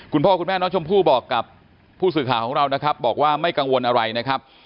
คุณพ่อคุณแม่น้องชมพู่บอกกับผู้สื่อข่าวของเรานะครับบอกว่าไม่กังวลอะไรนะครับ